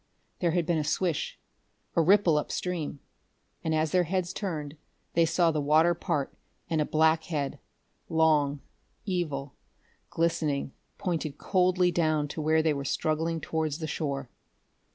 There had been a swish, a ripple upstream. And as their heads turned they saw the water part and a black head, long, evil, glistening, pointing coldly down to where they were struggling towards the shore.